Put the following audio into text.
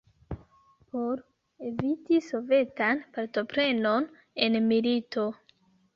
Por eviti Sovetan partoprenon en milito.